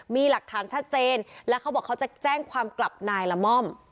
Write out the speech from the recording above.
มีหลักฐานชัดเจนแล้วเขาบอกเขาจะแจ้งความกลับนายละม่อม